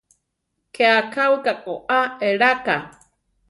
Ké akáwika koá eláka.